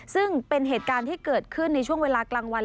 ซึ่งเป็นเหตุการณ์ที่เกิดขึ้นในช่วงเวลากลางวัน